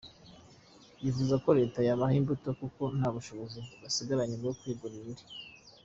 Yifuza ko leta yabaha imbuto kuko nta bushobozi basigaranye bwo kwigurira indi.